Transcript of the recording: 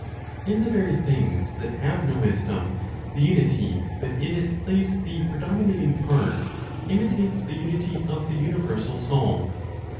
In the very things that have no wisdom, the unity that in it plays the predominating "part," imitates the unity of the universal Soul.